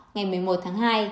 ngày một mươi một tháng hai